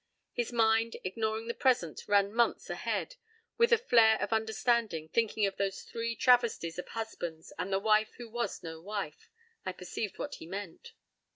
His mind, ignoring the present, ran months ahead. With a flair of understanding, thinking of those three travesties of husbands and the wife who was no wife, I perceived what he meant.